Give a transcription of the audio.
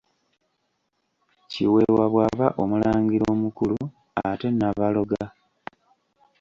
Kiweewa bw'aba omulangira omukulu ate Nabaloga?